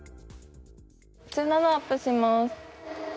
１７アップします。